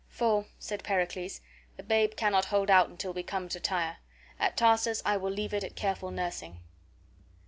"For," said Pericles, "the babe cannot hold out till we come to Tyre. At Tarsus I will leave it at careful nursing."